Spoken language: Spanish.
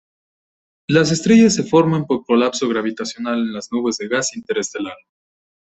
Las estrellas se forman por colapso gravitacional de las nubes de gas interestelar.